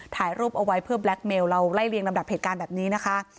ถ่ายรูปเอาไว้เพื่อแบล็คเมลเราไล่เรียงลำดับเหตุการณ์แบบนี้นะคะ